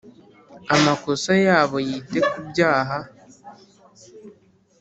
Amakosa yabo yite ku byaha